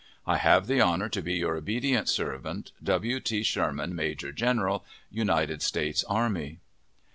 I have the honor to be your obedient servant, W. T. SHERMAN, Major General United States Army.